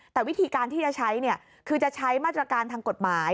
แต่วิธีการที่จะใช้คือจะใช้มาตรการทางกฎหมาย